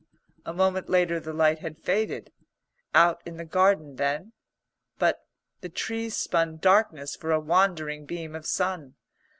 A moment later the light had faded. Out in the garden then? But the trees spun darkness for a wandering beam of sun.